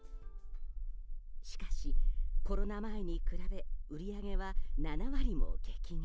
しかし、コロナ前に比べ売り上げは７割も激減。